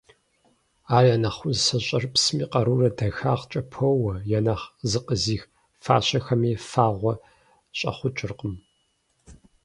Ар я нэхъ усэ «щӀэрыпсми» къарурэ дахагъкӀэ поуэ, я нэхъ «зыкъизых» фащэхэми фагъуэ щӀэхъукӀыркъым.